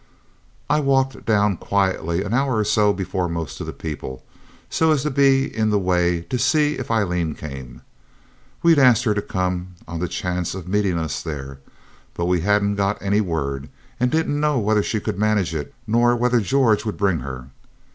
I walked down quietly an hour or so before most of the people, so as to be in the way to see if Aileen came. We'd asked her to come on the chance of meeting us there, but we hadn't got any word, and didn't know whether she could manage it nor whether George would bring her.